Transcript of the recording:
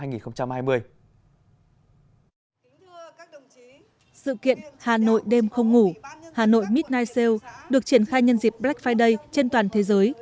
sự kiện hà nội đêm không ngủ hà nội midnigh sale được triển khai nhân dịp black friday trên toàn thế giới